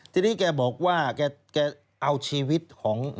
ทีนี้แกบอกว่าแกเอาชีวิตของ